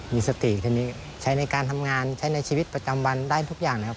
มีสติทีนี้ใช้ในการทำงานใช้ในชีวิตประจำวันได้ทุกอย่างนะครับ